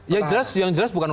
yang jelas bukan dua